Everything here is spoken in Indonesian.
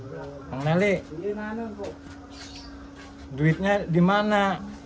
bang nelly duitnya di mana